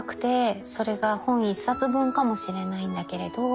それが本１冊分かもしれないんだけれど。